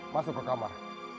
masuk ke kamar